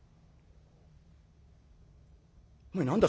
「お前何だ？